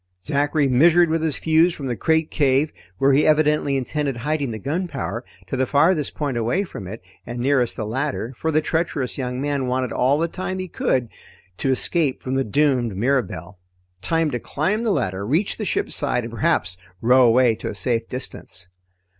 Zachary measured with his fuse from the crate cave, where he evidently intended hiding the gunpowder, to the farthest point away from it and nearest the ladder, for the treacherous young man wanted all the time he could get to escape from the doomed Mirabelle. Time to climb the ladder, reach the ship's side, and perhaps row away to a safe distance.